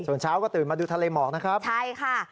ส่วนเช้าก็ตื่นมาดูทะเลหมอกนะครับใช่ค่ะ